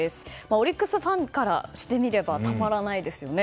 オリックスファンからしてみればたまらないですよね。